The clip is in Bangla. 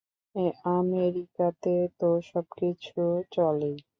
আমেরিকাতে তো সবকিছু চলেই।